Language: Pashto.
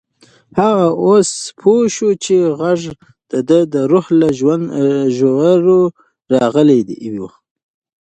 هغه اوس پوه شو چې غږ د ده د روح له ژورو راغلی و.